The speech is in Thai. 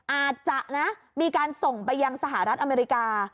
อาจจะนะมีการส่งไปยังสหรัฐอเมริกา